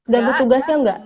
ganggu tugasnya enggak